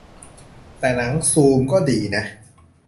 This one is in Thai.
- แต่ "หนังซูม" ก็ดีนะ